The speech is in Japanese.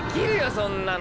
そんなの。